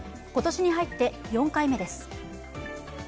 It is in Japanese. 今年に入って４回目です。